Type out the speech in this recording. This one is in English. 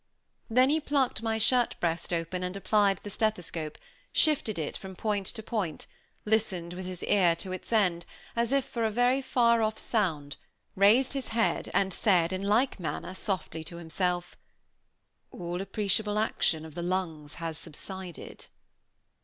Then he plucked my shirt breast open and applied the stethoscope, shifted it from point to point, listened with his ear to its end, as if for a very far off sound, raised his head, and said, in like manner, softly to himself, "All appreciable action of the lungs has subsided."